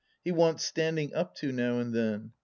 He wants standing up to now and then.